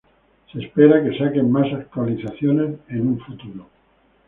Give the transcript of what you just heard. Se espera que saquen más actualizaciones en el futuro.